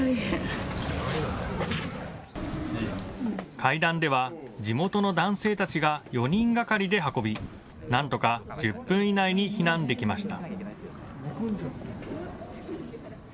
階段では地元の男性たちが４人がかりで運び、なんとか１０分以内に避難できました。